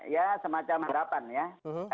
ya semacam harapan ya